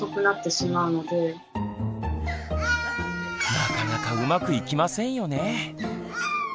なかなかうまくいきませんよね。